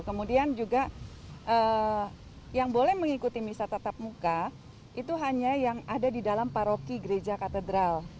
kemudian juga yang boleh mengikuti misal tatap muka itu hanya yang ada di dalam paroki gereja katedral